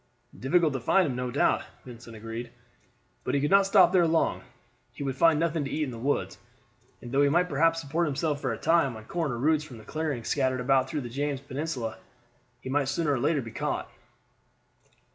"Difficult to find him, no doubt," Vincent agreed. "But he could not stop there long he would find nothing to eat in the woods; and though he might perhaps support himself for a time on corn or roots from the clearings scattered about through the James Peninsula, he must sooner or later be caught."